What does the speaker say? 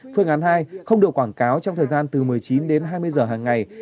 phương án hai không được quảng cáo trong thời gian từ một mươi chín đến hai mươi giờ hàng ngày